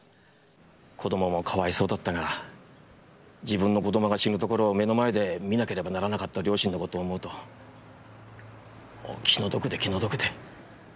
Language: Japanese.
子供もかわいそうだったが自分の子供が死ぬところを目の前で見なければならなかった両親の事を思うともう気の毒で気の毒で。